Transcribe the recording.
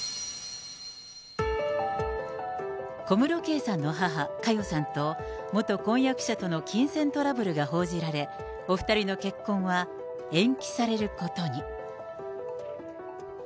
小室圭さんの母、佳代さんと元婚約者との金銭トラブルが報じられ、お２人の結婚は延期されることに。